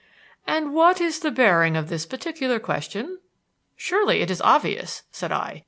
"And what is the bearing of this particular question?" "Surely it is obvious," said I.